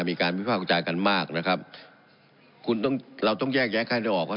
มีการวิภาคกระจายกันมากนะครับคุณต้องเราต้องแยกแยกให้ได้ออกว่า